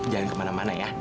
jangan kemana mana ya